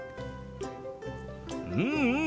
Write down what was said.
うんうん。